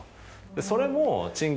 それも。